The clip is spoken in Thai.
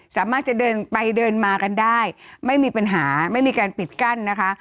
สามารถจะเดินไปเดินมากันได้ไม่มีปัญหาไม่มีการปิดกั้นนะคะ